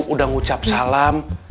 udah ngucap salam